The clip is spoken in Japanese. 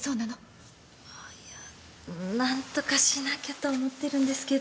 あっいや何とかしなきゃと思ってるんですけど。